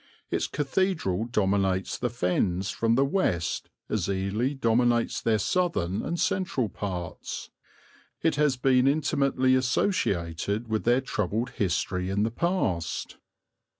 Its cathedral dominates the Fens from the west as Ely dominates their southern and central parts; it has been intimately associated with their troubled history in the past.